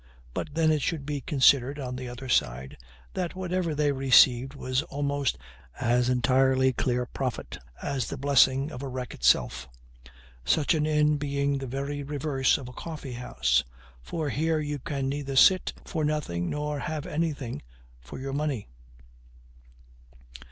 But then it should be considered, on the other side, that whatever they received was almost as entirely clear profit as the blessing of a wreck itself; such an inn being the very reverse of a coffee house; for here you can neither sit for nothing nor have anything for your money.